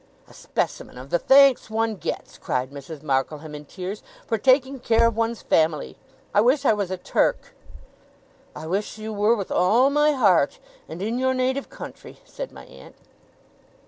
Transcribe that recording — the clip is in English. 'A specimen of the thanks one gets,' cried Mrs. Markleham, in tears, 'for taking care of one's family! I wish I was a Turk!' ['I wish you were, with all my heart and in your native country!' said my aunt.)